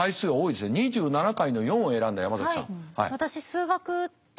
２７回の４を選んだ山崎さん。